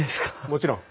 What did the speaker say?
もちろん。